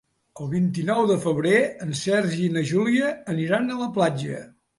El vint-i-nou de febrer en Sergi i na Júlia aniran a la platja.